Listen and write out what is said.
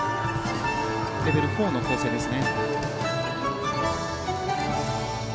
レベル４の構成ですね。